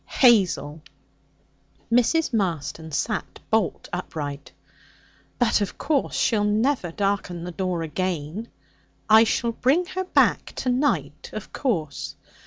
'Hazel.' Mrs. Marston sat bolt upright. 'But, of course, she'll never darken the door again!' 'I shall bring her back to night, of course.'